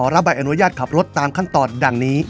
รับใบอนุญาตขับรถตามขั้นตอนดังนี้